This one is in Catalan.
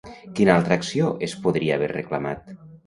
Quina altra acció es podria haver reclamat?